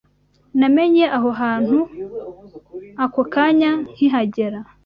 namenye aho ahantu ako kanya nkihagera